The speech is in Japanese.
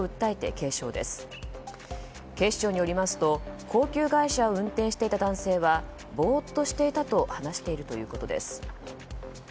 警視庁によりますと高級外車を運転していた男性はぼーっとしていたと話しているということです。